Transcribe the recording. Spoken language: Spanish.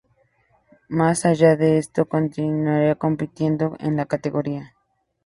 Más allá de esto, continuaría compitiendo en la categoría.